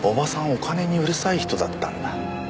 お金にうるさい人だったんだ。